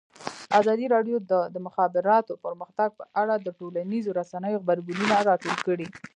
ازادي راډیو د د مخابراتو پرمختګ په اړه د ټولنیزو رسنیو غبرګونونه راټول کړي.